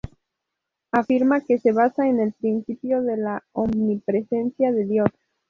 Afirma que se basa en el Principio de la Omnipresencia de Dios.